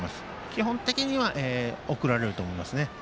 基本的には送られると思いますね。